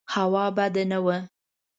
هوا بده نه وه.